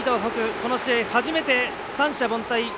この試合初めて三者凡退。